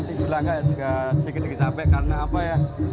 dibilang enggak juga sedikit sedikit capek karena apa ya